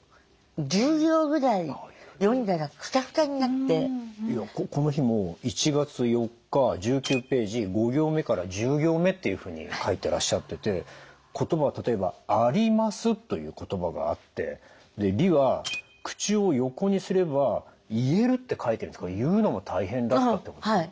その時はこの日も１月４日１９ページ５行目から１０行目っていうふうに書いてらっしゃってて言葉は例えば「あります」という言葉があって「り」は「口を横にすれば言える」って書いてるんですが言うのも大変だったってことですか？